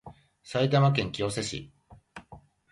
埼玉県清瀬市